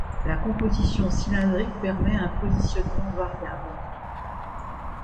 La composition cylindrique permet un positionnement variable.